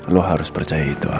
lo harus percaya itu